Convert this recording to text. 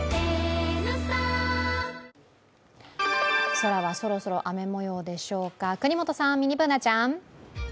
空はそろそろ雨もようでしょうか、國本さん、ミニＢｏｏｎａちゃん。